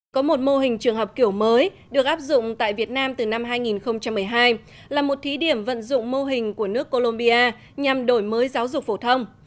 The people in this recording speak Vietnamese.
có một mô hình trường học kiểu mới được áp dụng tại việt nam từ năm hai nghìn một mươi hai là một thí điểm vận dụng mô hình của nước colombia nhằm đổi mới giáo dục phổ thông